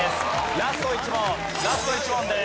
ラスト１問ラスト１問です。